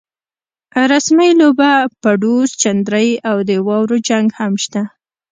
رسمۍ لوبه، پډوس، چندرۍ او د واورو جنګ هم شته.